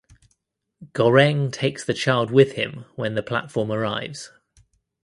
Goreng takes the child with him when the platform arrives.